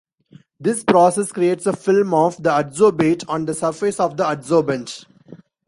This process creates a film of the "adsorbate" on the surface of the "adsorbent".